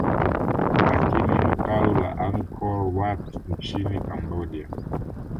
lakini hekalu la Angkor Wat nchini Cambodia